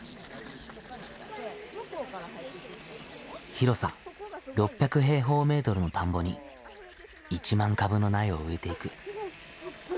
広さ６００平方メートルの田んぼに１万株の苗を植えていく。